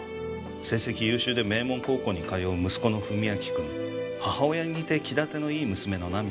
成績優秀で名門高校に通う息子の史明君母親に似て気立てのいい娘の奈美さん。